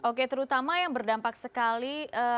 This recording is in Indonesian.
oke terutama yang berdampak sekali